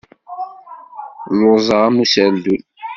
Lluẓeɣ am userdun.